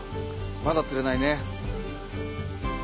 まだ釣れないね。